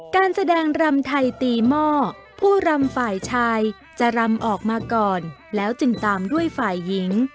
การแสดงรำไทยตีหม้อผู้รำฝ่ายชายจะรำออกมาก่อนแล้วจึงตามด้วยฝ่ายหญิง